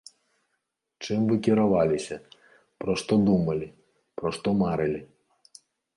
Чым вы кіраваліся, пра што думалі, пра што марылі?